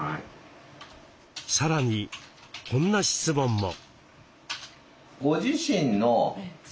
さらにこんな質問も。